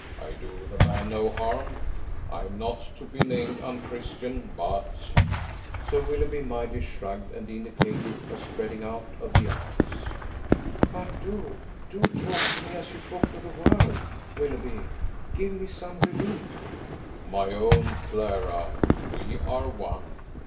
I do the man no harm; I am not to be named unchristian. But ...!" Sir Willoughby mildly shrugged, and indicated a spreading out of the arms. "But do, do talk to me as you talk to the world, Willoughby; give me some relief!" "My own Clara, we are one.